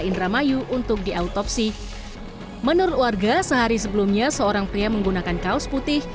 indramayu untuk diautopsi menurut warga sehari sebelumnya seorang pria menggunakan kaos putih